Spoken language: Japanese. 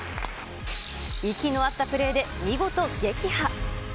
息の合ったプレーで見事、撃破。